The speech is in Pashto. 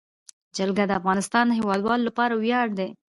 جلګه د افغانستان د هیوادوالو لپاره ویاړ دی.